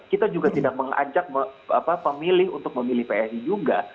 kita juga tidak mengajak pemilih untuk memilih psi juga